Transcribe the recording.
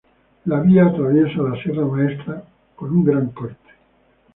La vía atraviesa la Sierra Maestra con un gran corte.